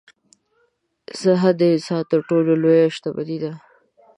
صحه د انسان تر ټولو لویه شتمني ده.